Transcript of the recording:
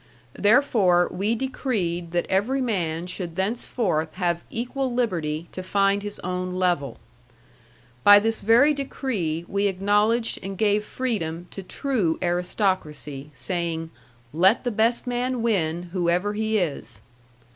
Therefore, we decreed that every man should thenceforth have equal liberty to find his own level. By this very decree we acknowledged and gave freedom to true aristocracy, saying, "Let the best man win, whoever he is."